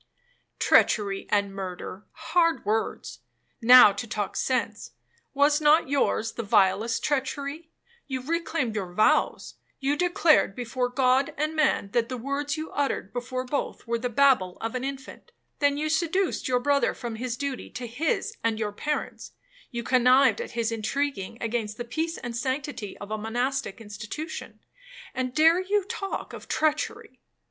'—'Treachery and murder,—hard words. Now, to talk sense, was not yours the vilest treachery? You reclaimed your vows,—you declared before God and man, that the words you uttered before both were the babble of an infant; then you seduced your brother from his duty to his and your parents,—you connived at his intriguing against the peace and sanctity of a monastic institution, and dare you talk of treachery?